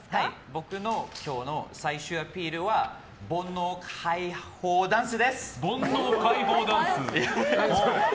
僕の最終アピールは煩悩解放ダンス？